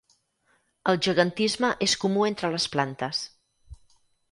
El gegantisme és comú entre les plantes.